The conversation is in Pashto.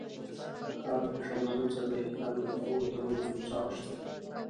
د ښار په شمالي څنډه کې حضرت داود ته منسوب څاه شته.